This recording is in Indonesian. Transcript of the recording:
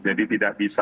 jadi tidak bisa